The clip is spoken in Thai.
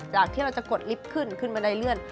จากที่เราจะกดลิฟต์ขึ้นขึ้นบันไดเลื่อน